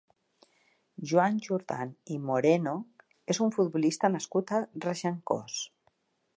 Joan Jordán i Moreno és un futbolista nascut a Regencós.